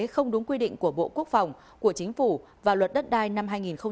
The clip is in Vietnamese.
không đúng quy định của bộ quốc phòng của chính phủ và luật đất đai năm hai nghìn ba